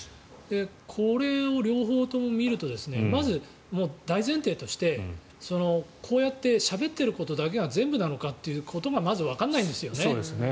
これを両方とも見るとまず大前提としてこうやってしゃべっていることだけが全部なのかっていうことがまずわからないんですよね。